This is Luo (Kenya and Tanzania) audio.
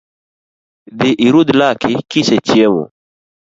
Dhi irudh laki kisechiemo